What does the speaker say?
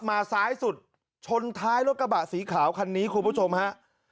ซ้ายสุดชนท้ายรถกระบะสีขาวคันนี้คุณผู้ชมฮะ